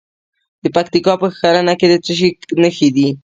د پکتیکا په ښرنه کې د څه شي نښې دي؟